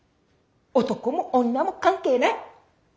男も女も関係ない。